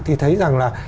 thì thấy rằng là